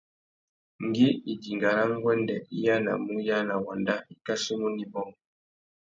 Ngüi idinga râ nguêndê i yānamú uyāna wanda, i kachimú nà ibômô.